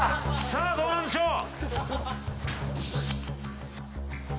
さあどうなんでしょう